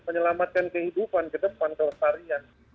menyelamatkan kehidupan kedepan kelestarian